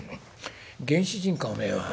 「原始人かおめえは。